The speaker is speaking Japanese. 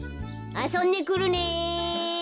・あそんでくるね！